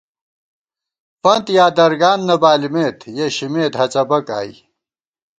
فنت یا درگان نہ بالِمېت یَہ شِمېت ہَڅَبَک آئی